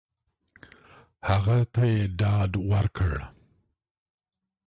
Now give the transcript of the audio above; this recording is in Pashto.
هغه ته یې ډاډ ورکړ !